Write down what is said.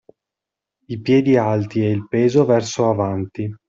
I piedi alti e il peso verso avanti.